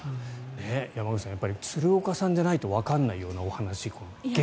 山口さん鶴岡さんじゃないとわからないようなお話。